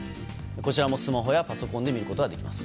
こちらもスマホやパソコンで見ることができます。